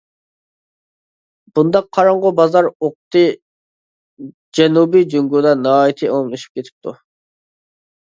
بۇنداق قاراڭغۇ بازار ئوقىتى جەنۇبىي جۇڭگودا ناھايىتى ئومۇملىشىپ كېتىپتۇ.